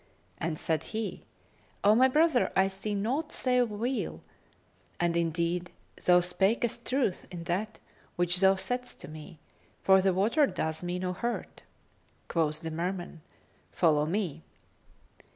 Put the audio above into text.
and said he, "O my brother, I see naught save weal[FN#263]; and indeed thou spakest truth in that which thou saidst to me; for the water doth me no hurt." Quoth the Merman, "Follow me."